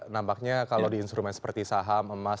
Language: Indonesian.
nampaknya kalau di instrumen seperti saham emas